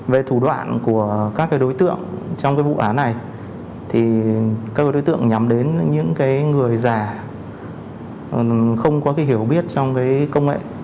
về thủ đoạn của các đối tượng trong vụ án này thì các đối tượng nhắm đến những người già không có hiểu biết trong công nghệ